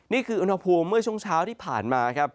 นี่คืออุณหภูมิเมื่อช่วงเช้าที่ผ่านมาครับ